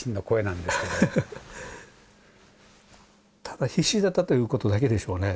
ただ必死だったということだけでしょうね。